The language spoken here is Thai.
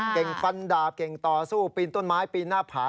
่งฟันดาบเก่งต่อสู้ปีนต้นไม้ปีนหน้าผา